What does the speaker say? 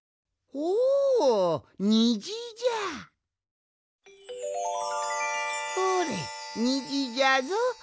ほれにじじゃぞにじ。